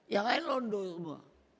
yang lain london semua